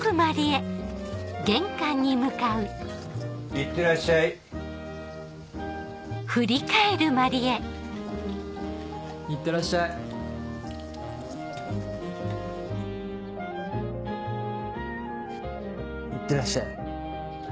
いってらっしゃい。いってらっしゃい。いってらっしゃい。